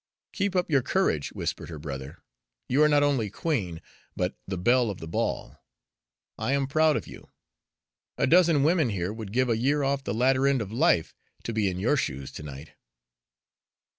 "Keep up your courage," whispered her brother. "You are not only queen, but the belle of the ball. I am proud of you. A dozen women here would give a year off the latter end of life to be in your shoes to night."